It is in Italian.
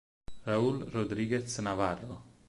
Raúl Rodríguez Navarro